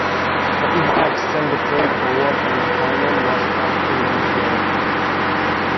The impact sent the train forward and the fireman was trapped in the machinery.